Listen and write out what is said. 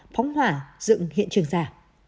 phóng hỏa dựng hiện trường ra